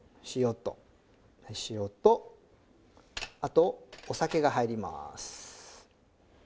塩とあとお酒が入ります。